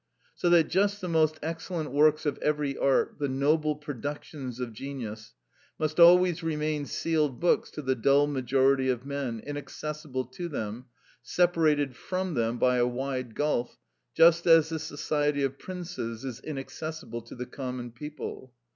So that just the most excellent works of every art, the noblest productions of genius, must always remain sealed books to the dull majority of men, inaccessible to them, separated from them by a wide gulf, just as the society of princes is inaccessible to the common people.